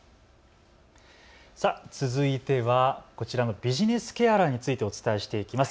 続いてはこちらのビジネスケアラーについてお伝えしていきます。